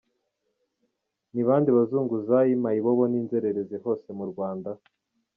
– Ni bande bazunguzayi, Mayibobo n’inzererezi hose mu Rwanda?